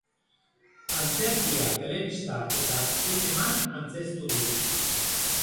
Antzerkia, telebista eta zineman antzeztu du.